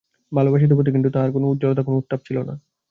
ভালোবাসিত বটে, কিন্তু তাহার তো কোনো উজ্জ্বলতা কোনো উত্তাপ ছিল না।